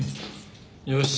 よし。